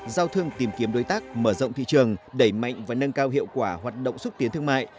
giao thương tìm kiếm đối tác mở rộng thị trường đẩy mạnh và nâng cao hiệu quả hoạt động xúc tiến thương mại